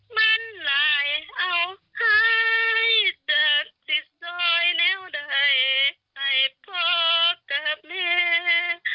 มันหลายเอาให้จากสิทธิ์สวยแนวใดให้พ่อกับเมฆ